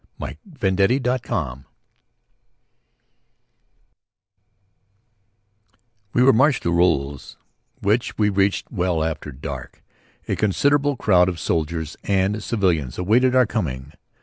We were marched to Roulers, which we reached well after dark. A considerable crowd of soldiers and civilians awaited our coming.